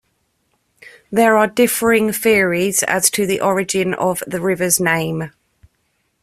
There are differing theories as to the origin of the river's name.